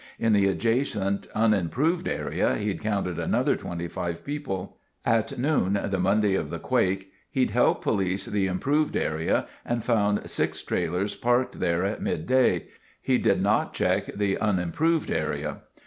In the adjacent, unimproved area, he'd counted another 25 people. At noon the Monday of the quake, he'd helped police the improved area and found six trailers parked there at midday. He didn't check the unimproved area.